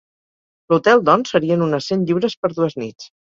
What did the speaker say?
L'hotel, doncs, serien unes cent lliures per dues nits.